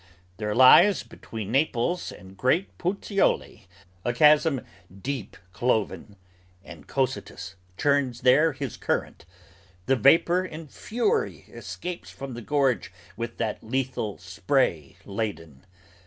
There lies between Naples and Great Puteoli, a chasm Deep cloven, and Cocytus churns there his current; the vapor In fury escapes from the gorge with that lethal spray laden.